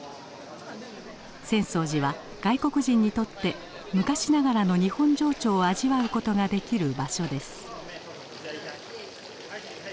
浅草寺は外国人にとって昔ながらの日本情緒を味わうことができる場所です。